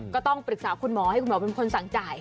ก็ต้องปรึกษาคุณหมอให้คุณหมอเป็นคนสั่งจ่าย